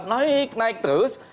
naik naik terus